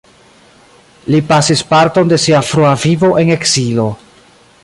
Li pasis parton de sia frua vivo en ekzilo.